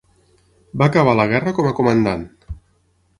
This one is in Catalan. Va acabar la guerra com a comandant.